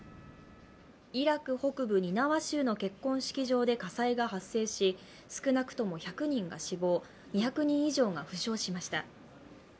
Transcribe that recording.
イラク北部ニナワ州の結婚式場で火災が発生し少なくとも１００人が死亡、２００人以上が負傷しました。